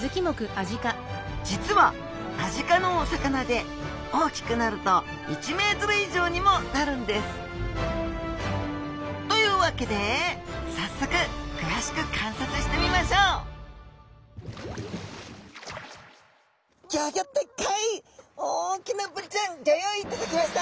実はアジ科のお魚で大きくなると１メートル以上にもなるんです。というわけで早速詳しく観察してみましょう大きなブリちゃんギョ用意いただきました！